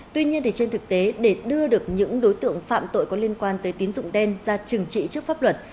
tuy nhiên trên thực tế để đưa được những đối tượng phạm tội có liên quan tới tín dụng đen ra trừng trị trước pháp luật